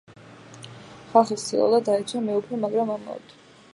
ხალხი ცდილობდა, დაეცვა მეუფე, მაგრამ ამაოდ.